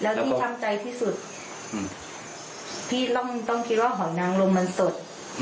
แล้วที่ทำใจที่สุดอืมพี่ต้องต้องคิดว่าหอยนางรมมันสดอืม